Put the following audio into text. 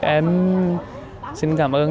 em xin cảm ơn